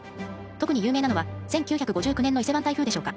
特に有名なのは１９５９年の伊勢湾台風でしょうか。